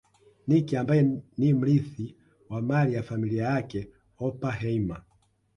Nicky ambaye ni mrithi wa mali ya familia yake ya Oppenheimer